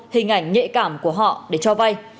hình ảnh nhẹ cảm của họ để cho vai